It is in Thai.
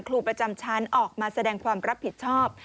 ครูประจำชั้นออกมาแสดงความรับผิดชอบ